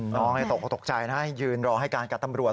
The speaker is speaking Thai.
น้องตกตกใจนะยืนรอให้การกับตำรวจ